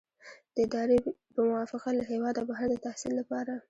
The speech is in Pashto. د ادارې په موافقه له هیواده بهر د تحصیل لپاره.